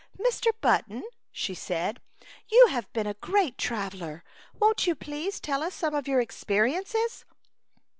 Mr.' Button,*' she said, " you have been a great traveller. Won't you tell us some of your experiences